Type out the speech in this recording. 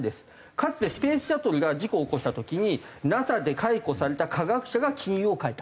かつてスペースシャトルが事故を起こした時にＮＡＳＡで解雇された科学者が金融を変えた。